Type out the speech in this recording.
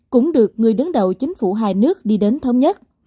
cũng được người đứng đầu chính phủ hai nước đi đến thống nhất